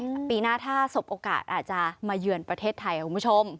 แต่ปีหน้าถ้าสบโอกาสอาจจะมาเยือนประเทศไทยค่ะคุณผู้ชม